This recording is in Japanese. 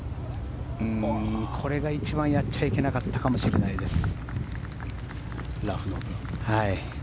これが一番やっちゃいけなかったかもしれないですね。